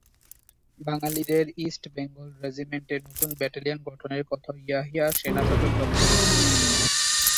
বাঙালিদের ইস্ট বেঙ্গল রেজিমেন্টে নতুন ব্যাটেলিয়ন গঠনের কথাও ইয়াহিয়া সেনা সদর দপ্তরে বলেন।